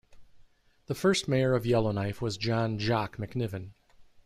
The first mayor of Yellowknife was John "Jock" McNiven.